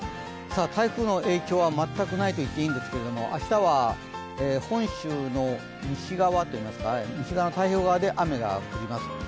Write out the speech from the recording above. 台風の影響は全くないといっていいんですけど明日は本州の西側の太平洋側で雨が降ります。